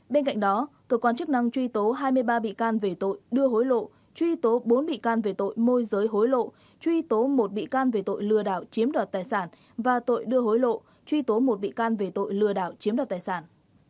bên cạnh đó cơ quan chức năng truy tố hai mươi ba bị can về tội đưa hối lộ truy tố bốn bị can về tội môi giới hối lộ truy tố một bị can về tội lừa đảo chiếm đoạt tài sản và tội đưa hối lộ truy tố một bị can về tội lừa đảo chiếm đoạt tài sản